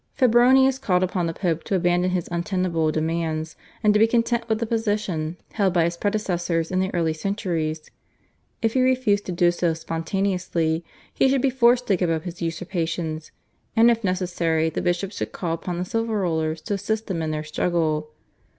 Febronius called upon the Pope to abandon his untenable demands, and to be content with the position held by his predecessors in the early centuries. If he refused to do so spontaneously he should be forced to give up his usurpations, and if necessary the bishops should call upon the civil rulers to assist them in their struggle.